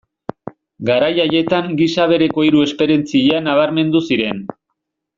Garai haietan gisa bereko hiru esperientzia nabarmendu ziren.